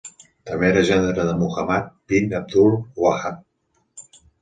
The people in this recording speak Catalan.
També era gendre de Muhammad bin Abdul Wahhab.